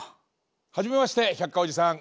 はじめまして百科おじさん。